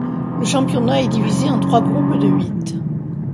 Le championnat est divisé en trois groupes de huit.